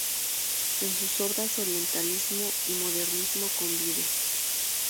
En sus obras, orientalismo y modernismo convive.